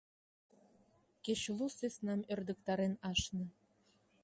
Кеч лу сӧснам ӧрдыктарен ашне.